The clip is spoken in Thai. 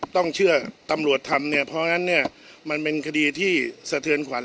ต้องเชื่อตำรวจทำเนี่ยเพราะฉะนั้นเนี่ยมันเป็นคดีที่สะเทือนขวัญ